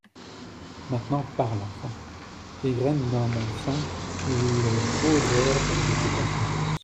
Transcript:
Maintenant, parle, enfant … égrène dans mon sein le rosaire de tes confidences …